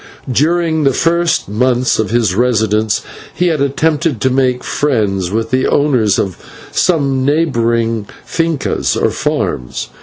During the first months of his residence he had attempted to make friends with the owners of some neighbouring /fincas/ or farms.